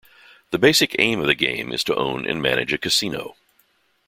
The basic aim of the game is to own and manage a casino.